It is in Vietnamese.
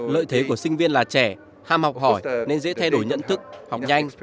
lợi thế của sinh viên là trẻ ham học hỏi nên dễ thay đổi nhận thức học nhanh